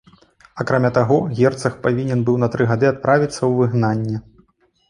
Акрамя таго, герцаг павінен быў на тры гады адправіцца ў выгнанне.